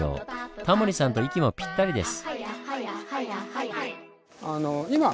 タモリさんと息もぴったりです。